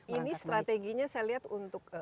ini strateginya saya lihat untuk